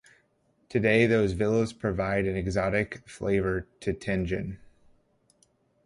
Today those villas provide an exotic flavour to Tianjin.